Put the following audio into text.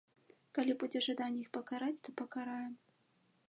Калі будзе жаданне іх пакараць, то пакараем.